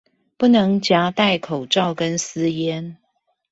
不能夾帶口罩跟私菸